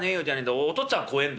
お父っつぁん怖えんだ。